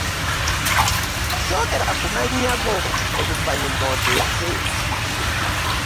Sookera ku mannya go oluvannyuma oteese.